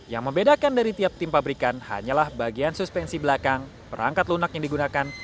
yang membedakan dari tiap tim pabrikan hanyalah bagian suspensi belakang perangkat lunak yang digunakan